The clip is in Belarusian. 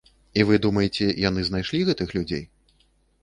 І вы думаеце яны знайшлі гэтых людзей?